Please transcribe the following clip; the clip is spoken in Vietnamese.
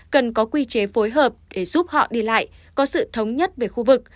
cần có quy chế phối hợp để giúp họ đi lại có sự thống nhất về khu vực